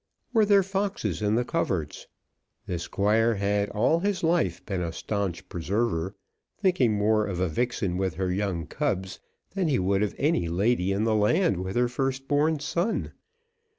Were there foxes in the coverts? The Squire had all his life been a staunch preserver, thinking more of a vixen with her young cubs than he would of any lady in the land with her first born son.